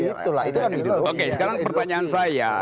oke sekarang pertanyaan saya